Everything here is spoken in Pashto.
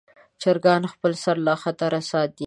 چرګان خپل سر له خطره ساتي.